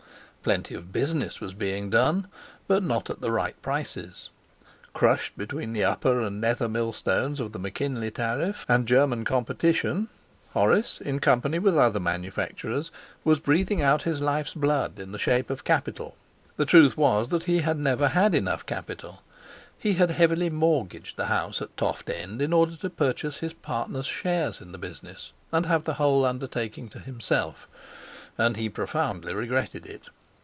Plenty of business was being done, but not at the right prices. Crushed between the upper and nether millstones of the McKinley Tariff and German competition, Horace, in company with other manufacturers, was breathing out his life's blood in the shape of capital. The truth was that he had never had enough capital. He had heavily mortgaged the house at Toft End in order to purchase his partners' shares in the business and have the whole undertaking to himself, and he profoundly regretted it.